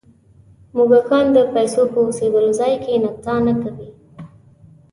موږکان د پیسو په اوسېدلو ځای کې نڅا نه کوي.